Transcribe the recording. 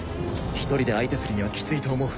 １人で相手するにはキツいと思う。